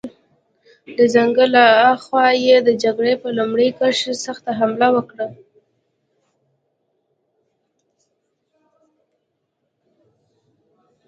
د ځنګل له خوا یې د جګړې پر لومړۍ کرښې سخته حمله وکړه.